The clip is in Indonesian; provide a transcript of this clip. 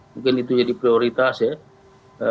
mungkin itu jadi prioritas ya